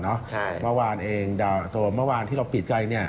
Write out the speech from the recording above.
เมื่อวานเองดาวตัวเมื่อวานที่เราปิดใจ